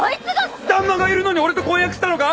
旦那がいるのに俺と婚約したのか！？